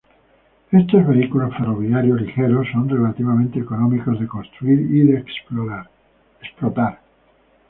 Estos vehículos ferroviarios ligeros son relativamente económicos de construir y de explotar.